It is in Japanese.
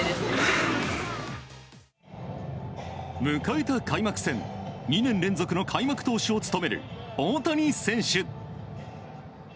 迎えた開幕戦２年連続の開幕投手を務める大谷選手。